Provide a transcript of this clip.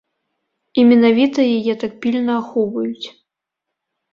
І менавіта яе так пільна ахоўваюць.